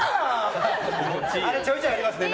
ちょいちょいありますね